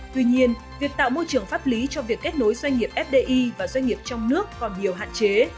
tuy nhiên việc tạo môi trường pháp lý cho việc kết nối doanh nghiệp fdi và doanh nghiệp trong nước còn nhiều hạn chế